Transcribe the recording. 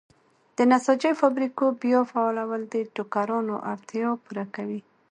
د نساجۍ فابریکو بیا فعالول د ټوکرانو اړتیا پوره کوي.